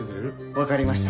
わかりました。